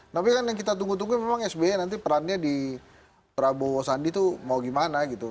tapi kan yang kita tunggu tunggu memang sby nanti perannya di prabowo sandi itu mau gimana gitu